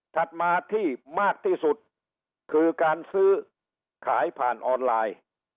มาที่มากที่สุดคือการซื้อขายผ่านออนไลน์